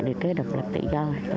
được cái độc lập tự do